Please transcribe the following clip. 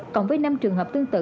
còn với năm trường hợp tương tự